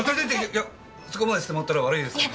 いやそこまでしてもらったら悪いですから。